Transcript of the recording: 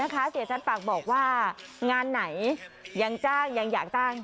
เหมือนเดิมนะคะเสียชัดปากบอกว่างานไหนยังจ้างยังอยากจ้าง